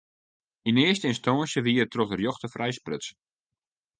Yn earste ynstânsje wie er troch de rjochter frijsprutsen.